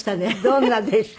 どんなでした？